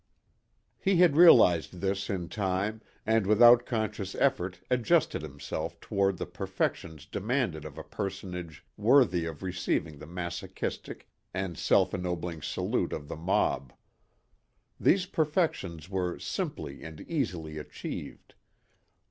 He had realized this in time and without conscious effort adjusted himself toward the perfections demanded of a personage worthy of receiving the masochistic and self ennobling salute of the mob. These perfections were simply and easily achieved.